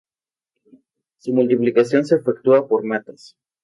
Su multiplicación se efectúa por matas.